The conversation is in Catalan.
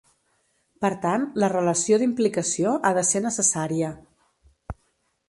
Per tant la relació d'implicació ha de ser necessària.